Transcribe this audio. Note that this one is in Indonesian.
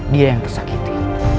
dia yang tersakiti